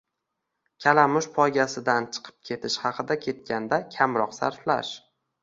kalamush poygasidan chiqib ketish haqida ketganda kamroq sarflash